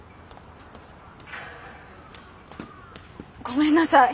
ごめんなさい。